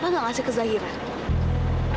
kenapa gak ngasih ke zahira